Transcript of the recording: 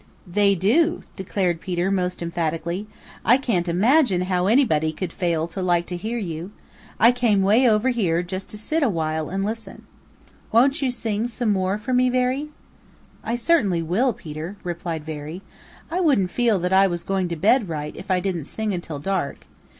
"They do," declared Peter most emphatically. "I can't imagine how anybody could fail to like to hear you. I came 'way over here just to sit a while and listen. Won't you sing some more for me, Veery?" "I certainly will, Peter," replied Veery. "I wouldn't feel that I was going to bed right if I didn't sing until dark.